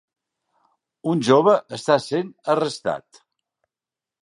Un jove està essent arrestat.